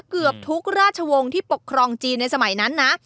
เกือบทุกราชวงศ์ที่ปกครองจีนในสมัยนั้นนะ